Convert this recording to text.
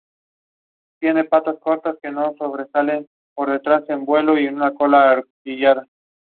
La provincia comprendía el territorio de la actual región nariñense de Tumaco-Barbacoas.